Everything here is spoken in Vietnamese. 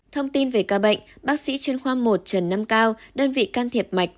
thông tin về ca bệnh bác sĩ chuyên khoa một trần nam cao đơn vị can thiệp mạch